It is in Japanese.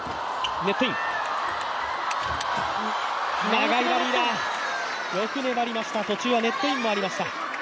長いラリーだ、よく粘りました、途中はネットインもありました。